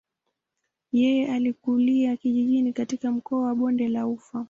Yeye alikulia kijijini katika mkoa wa bonde la ufa.